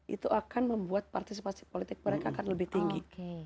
itu akan membuat partisipasi politik mereka akan lebih tinggi